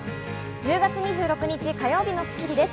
１０月２６日、火曜日の『スッキリ』です。